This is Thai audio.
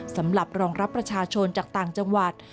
สำหรับรองรับประชาชนจากต่างจังหวัด